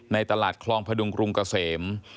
ในตลาดคลองพดุงกรุงเกษม